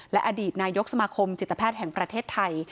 และอดีตนายกสมาคมจิตแพทย์แห่งประเทศไทย